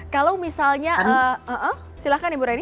kalau misalnya silakan ibu reni